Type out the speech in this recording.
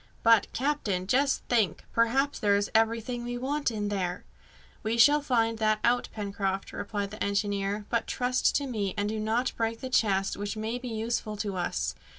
"But, captain, just think! Perhaps there is everything we want in there!" "We shall find that out, Pencroft," replied the engineer; "but trust to me, and do not break the chest, which may be useful to us.